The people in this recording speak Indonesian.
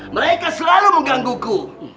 mereka selalu mengganggu ku